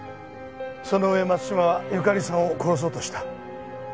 そのうえ松島は由香利さんを殺そうとした。